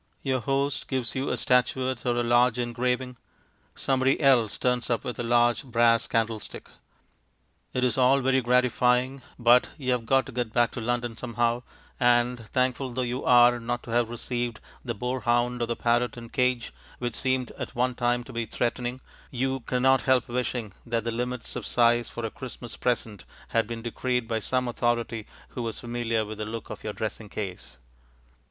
Your host gives you a statuette or a large engraving; somebody else turns up with a large brass candle stick. It is all very gratifying, but you have got to get back to London somehow, and, thankful though you are not to have received the boar hound or parrot in cage which seemed at one time to be threatening, you cannot help wishing that the limits of size for a Christmas present had been decreed by some authority who was familiar with the look of your dressing case.